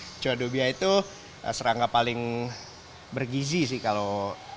kecoa dubia itu serangga paling bergizi sih kalau